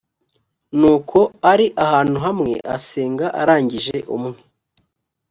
nuko ari ahantu hamwe asenga arangije umwe